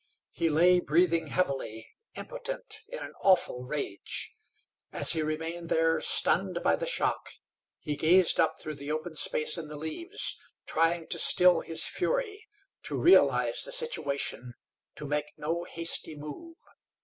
He lay breathing heavily, impotent, in an awful rage. As he remained there stunned by the shock, he gazed up through the open space in the leaves, trying to still his fury, to realize the situation, to make no hasty move.